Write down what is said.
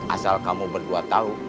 asal kamu berdua tahu